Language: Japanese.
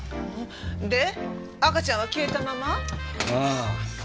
で赤ちゃんは消えたまま？ああ目撃者もなし。